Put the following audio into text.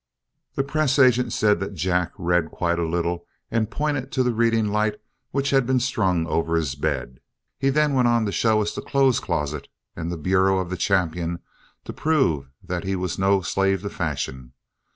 The press agent said that Jack read quite a little and pointed to the reading light which had been strung over his bed. He then went on to show us the clothes closet and the bureau of the champion to prove that he was no slave to fashion.